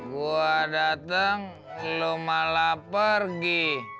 gua dateng lu malah pergi